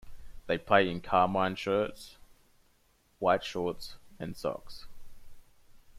They play in carmine shirts, white shorts and socks.